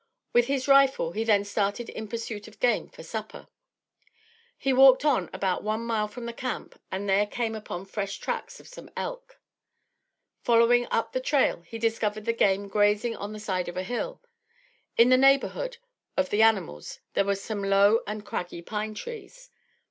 With his rifle, he then started in pursuit of game for supper. He walked on about one mile from the camp and there came upon the fresh tracks of some elk. Following up the trail he discovered the game grazing on the side of a hill. In the neighborhood of the animals there were some low and craggy pine trees.